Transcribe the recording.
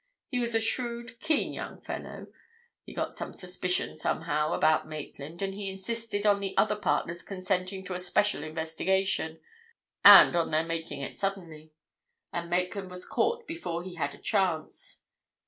He was a shrewd, keen young fellow; he got some suspicion, somehow, about Maitland, and he insisted on the other partners consenting to a special investigation, and on their making it suddenly. And Maitland was caught before he had a chance.